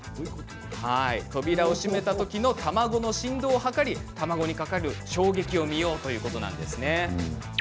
扉を閉めた時の卵の振動を測って卵にかかる衝撃を見ていこうということですね。